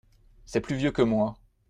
C’est plus vieux que moi.